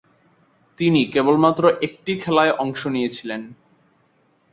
তিনি কেবলমাত্র একটি খেলায় অংশ নিয়েছিলেন।